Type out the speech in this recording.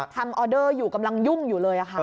ออเดอร์อยู่กำลังยุ่งอยู่เลยค่ะ